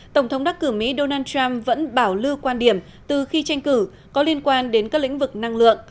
tổng thống đắc cử mỹ donald trump vẫn bảo lưu quan điểm từ khi tranh cử có liên quan đến các lĩnh vực năng lượng